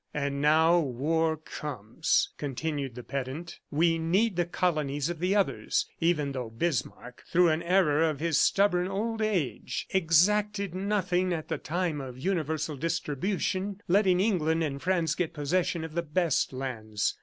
"And now war comes," continued the pedant. "We need the colonies of the others, even though Bismarck, through an error of his stubborn old age, exacted nothing at the time of universal distribution, letting England and France get possession of the best lands.